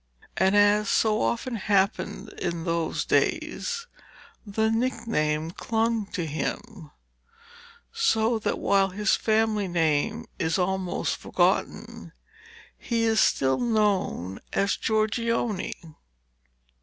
And, as so often happened in those days, the nickname clung to him, so that while his family name is almost forgotten he is still known as Giorgione.